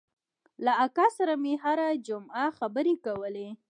له اکا سره مې هره جمعه خبرې کولې.